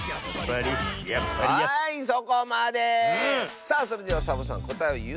さあそれではサボさんこたえをいうのである！